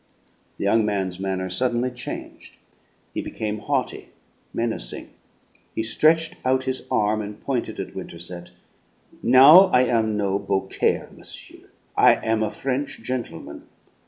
The young man's manner suddenly changed. He became haughty, menacing. He stretched out his arm, and pointed at Winterset. "Now I am no 'Beaucaire,' messieurs. I am a French gentleman.